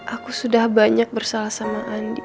aku sudah banyak bersalah sama andi